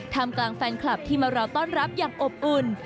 ทำกลางแฟนคลับที่มารอต้อนรับอย่างอบอุ่น